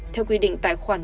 theo quy định tài khoản một